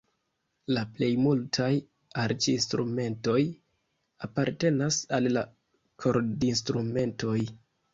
La plej multaj arĉinstrumentoj apartenas al la kordinstrumentoj.